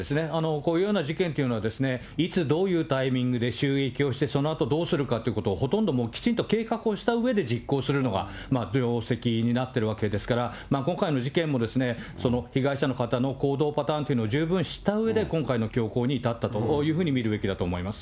こういうような事件というのは、いつ、どういうタイミングで襲撃をして、そのあとどうするかということを、ほとんどきちんと計画をしたうえで、実行するのが定石になってるわけですから、今回の事件もですね、被害者の方の行動パターンというのを十分知ったうえで、今回の凶行に至ったというふうに見るべきだと思います。